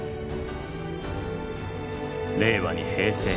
令和に平成。